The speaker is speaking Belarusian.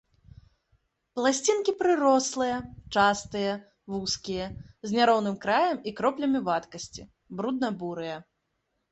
Пласцінкі прырослыя, частыя, вузкія, з няроўным краем і кроплямі вадкасці, брудна-бурыя.